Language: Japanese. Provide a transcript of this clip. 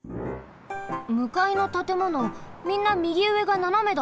むかいのたてものみんなみぎうえがななめだ。